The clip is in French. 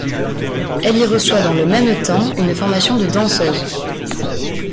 Elle y reçoit dans le même temps une formation de danseuse.